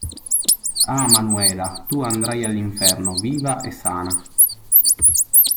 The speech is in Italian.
Ah, Manuela, tu andrai all'inferno viva e sana